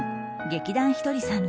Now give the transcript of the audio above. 劇団ひとりさん